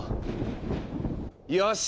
よし！